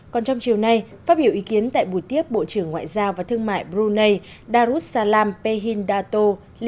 còn trong chiều nay phát biểu ý kiến tại buổi tiếp bộ trưởng ngoại giao và thương mại brunei darussalam pehindato